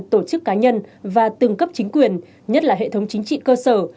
tổ chức cá nhân và từng cấp chính quyền nhất là hệ thống chính trị cơ sở